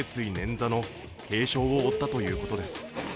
捻挫の軽傷を負ったということです。